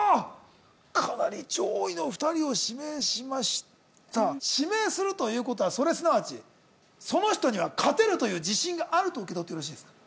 かなり上位の２人を指名しました指名するということはそれすなわちその人には勝てるという自信があると受け取ってよろしいですか？